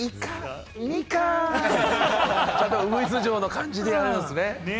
ちゃんとウグイス嬢の感じでやるんですね。